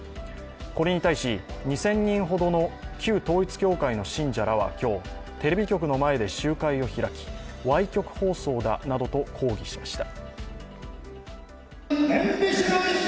これに対し、２０００人ほど旧統一教会の信者らは今日、テレビ局の前で集会を開きわい曲放送だなどと抗議しました。